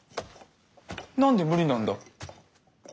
何で無理なんだ？